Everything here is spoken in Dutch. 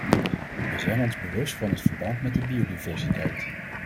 Wij zijn ons bewust van het verband met de biodiversiteit.